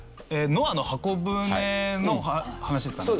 『ノアの方舟』の話ですかね？